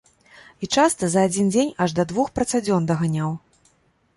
І часта за адзін дзень аж да двух працадзён даганяў!